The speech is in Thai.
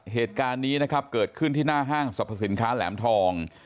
เหตุการณ์นี้นะครับเกิดขึ้นที่หน้าห้างสรรพสินค้าแหลมทอง